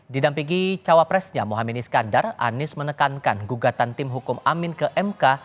di dampigi cawa presnya mohamini skandar anies menekankan gugatan tim hukum amin ke mk